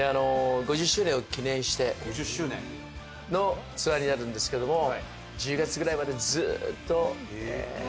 ５０周年を記念してのツアーになるんですけども１０月ぐらいまでずっと。